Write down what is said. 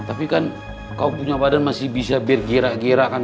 tapi kan kau punya badan masih bisa berkira gira kan